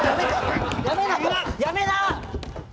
やめな！